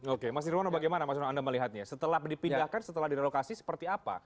oke mas nirwono bagaimana mas anda melihatnya setelah dipindahkan setelah direlokasi seperti apa